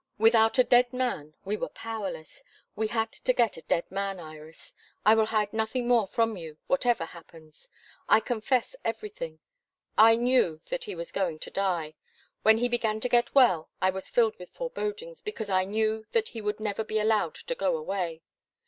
Without a dead man we were powerless. We had to get a dead man, Iris, I will hide nothing more from you, whatever happens. I confess everything. I knew that he was going to die. When he began to get well I was filled with forebodings, because I knew that he would never be allowed to go away.